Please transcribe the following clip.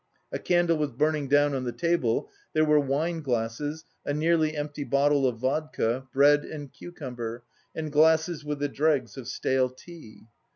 A candle was burning down on the table; there were wine glasses, a nearly empty bottle of vodka, bread and cucumber, and glasses with the dregs of stale tea.